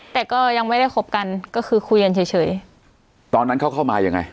แต่ก็ยังไม่ได้คบกันก็คือคุยกันเฉยเฉยตอนนั้นเขาเข้ามายังไง